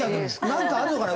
なんかあるのかな？